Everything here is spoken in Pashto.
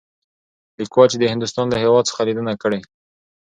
ليکوال چې د هندوستان له هـيواد څخه ليدنه کړى.